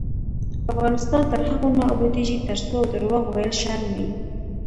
افغانستان تر هغو نه ابادیږي، ترڅو درواغ ویل شرم وي.